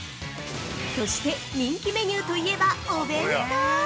◆そして、人気メニューといえばお弁当！